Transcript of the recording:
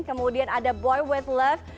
kemudian ada boy with luv